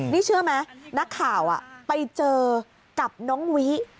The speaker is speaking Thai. นี่เชื่อไหมนักข่าวไปเจอกับน้องวิ